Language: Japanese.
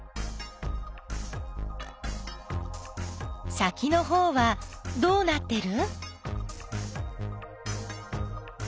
先のほうはどうなってる？